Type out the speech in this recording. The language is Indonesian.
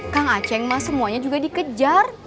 kang aceng mah semuanya juga dikejar